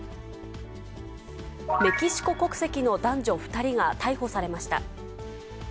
メキシコ国籍の男女２人が逮捕されました。